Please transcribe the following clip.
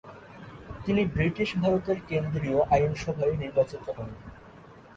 তিনি ব্রিটিশ ভারতের কেন্দ্রীয় আইনসভায় নির্বাচিত হন।